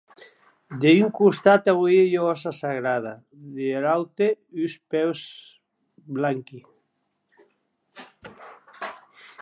D’un costat auie ua hòssa sagrada; der aute uns peus blanqui.